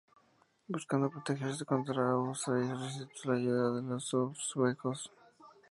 Buscando protegerse contra Abu Sa'id, solicitó la ayuda de los uzbekos.